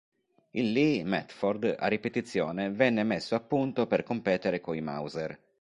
Il Lee-Metford a ripetizione venne messo a punto per competere coi Mauser.